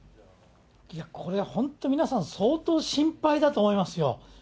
これ本当、皆さん、相当心配だと思いますよ。